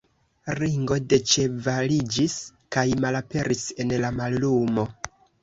Ringo deĉevaliĝis kaj malaperis en la mallumo.